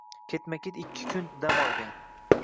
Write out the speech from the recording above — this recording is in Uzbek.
Ketma-ket ikki kun dam olgan.